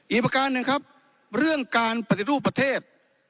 ประการหนึ่งครับเรื่องการปฏิรูปประเทศ